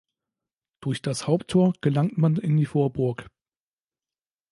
Durch das Haupttor gelangt man in die Vorburg.